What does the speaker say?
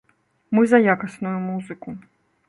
Мы за якасную музыку.